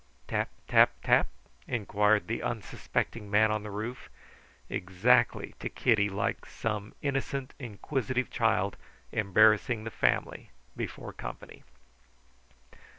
Tap tap tap? inquired the unsuspecting man on the roof exactly to Kitty like some innocent, inquisitive child embarrassing the family before company.